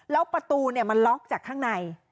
แล้วประตูมันล็อกจากข้างใน